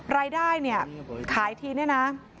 รายได้ขายทีนี้นะ